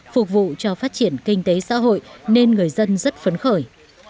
phục vụ cho phát triển kinh tế xã hội nên người dân rất phấn khởi